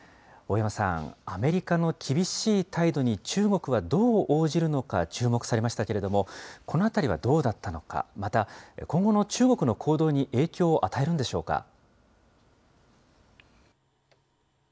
大山さん、アメリカの厳しい態度に中国はどう応じるのか注目されましたけれども、このあたりはどうだったのか、また、今後の中国の行動に影響を与えるんでしょうか。